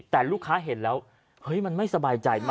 แต่ลูกค้าเห็นแล้วเฮ้ยมันไม่สบายใจมาก